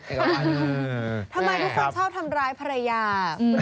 ทำไมทุกคนชอบทำร้ายภรรยา